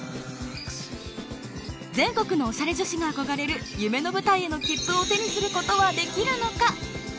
全国のオシャレ女子が憧れる夢の舞台への切符を手にする事はできるのか？